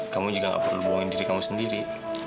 kamu juga gak perlu bawain diri kamu sendiri